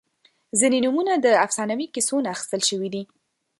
• ځینې نومونه د افسانوي کیسو نه اخیستل شوي دي.